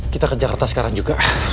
kita ke jakarta sekarang juga